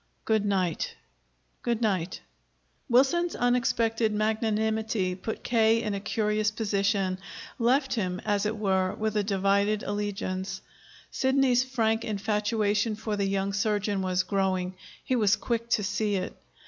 Good night." "Good night." Wilson's unexpected magnanimity put K. in a curious position left him, as it were, with a divided allegiance. Sidney's frank infatuation for the young surgeon was growing. He was quick to see it.